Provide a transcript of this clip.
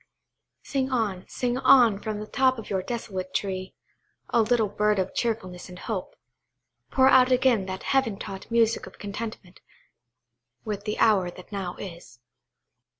Sing on, sing on, from the top of your desolate tree, oh, little bird of cheerfulness and hope! Pour out again that heaven taught music of contentment with the hour that now is.